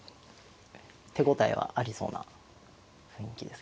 手応えはありそうな雰囲気ですけどね。